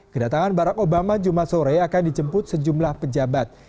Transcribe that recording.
kedatangan barack obama jumat sore akan dijemput sejumlah pejabat